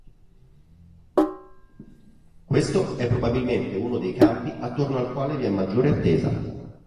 Questo è probabilmente uno dei campi attorno al quale vi è maggiore attesa.